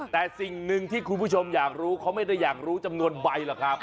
แต่สิ่งหนึ่งที่คุณผู้ชมอยากรู้เขาไม่ได้อยากรู้จำนวนใบหรอกครับ